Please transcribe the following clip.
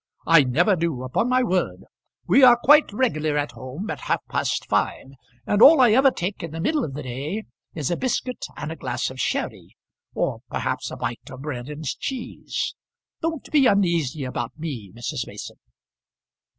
"I never do, upon my word we are quite regular at home at half past five, and all I ever take in the middle of the day is a biscuit and a glass of sherry, or perhaps a bite of bread and cheese. Don't be uneasy about me, Mrs. Mason."